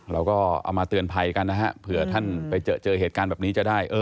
เราก็เอามาเตือนภัยกันนะฮะเผื่อท่านไปเจอเหตุการณ์แบบนี้จะได้